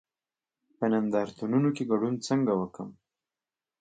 په نندارتونونو کې ګډون څنګه وکړم؟